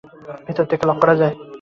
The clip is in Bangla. ভেতর থেকে লক করা যায়।